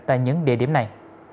tại những địa điểm này